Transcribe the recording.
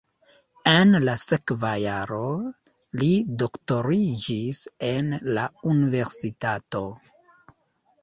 En la sekva jaro li doktoriĝis en la universitato.